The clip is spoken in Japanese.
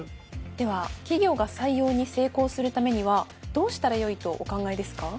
では企業が採用に成功するためにはどうしたらよいとお考えですか？